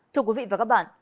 thưa quý vị và các bạn